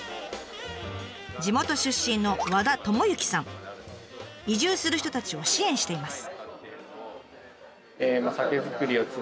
地元出身の移住する人たちを支援しています。